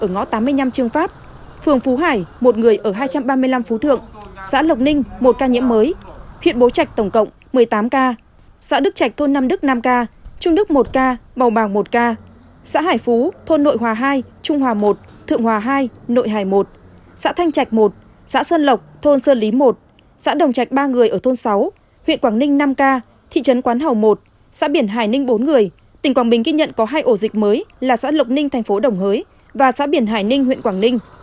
xã thanh trạch một xã sơn lộc thôn sơn lý một xã đồng trạch ba người ở thôn sáu huyện quảng ninh năm k thị trấn quán hầu một xã biển hải ninh bốn người tỉnh quảng bình ghi nhận có hai ổ dịch mới là xã lộc ninh thành phố đồng hới và xã biển hải ninh huyện quảng ninh